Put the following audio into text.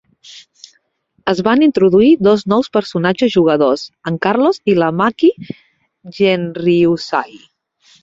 Es van introduir dos nous personatges jugadors: en Carlos i la Maki Genryusai.